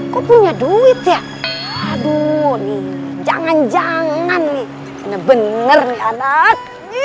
kok punya duit ya aduh nih jangan jangan nih bener bener ya nak